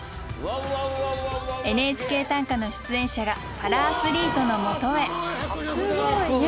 「ＮＨＫ短歌」の出演者がパラアスリートのもとへ。